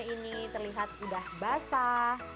ini terlihat udah basah